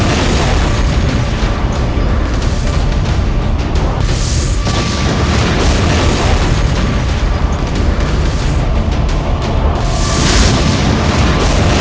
mereka berjalan tidak sama